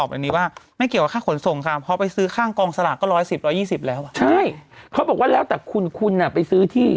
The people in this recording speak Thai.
ใช่เขาบอกว่าแล้วแต่คุณไปซื้อที่